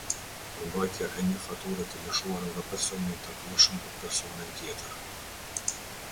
Përmbajtja e një fature të lëshuar nga personi i tatueshëm për personin tjetër.